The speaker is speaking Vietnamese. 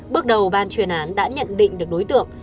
bước đầu ban chuyên án đã nhận định được đối tượng